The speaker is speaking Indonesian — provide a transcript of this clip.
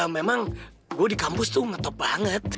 memang gue di kampus tuh ngetop banget